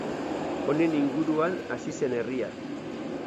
Honen inguruan hazi zen herria.